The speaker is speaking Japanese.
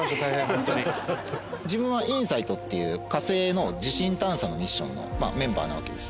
自分はＩｎＳｉｇｈｔっていう火星の地震探査のミッションのメンバーなわけです。